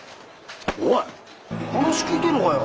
おい話聞いてんのかよ！